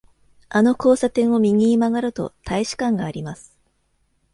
あの交差点を右に曲がると、大使館があります。